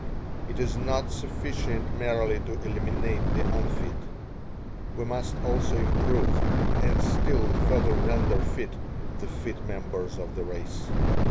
It is not sufficient merely to eliminate the unfit we must also improve, and still further render fit, the fit members of the race.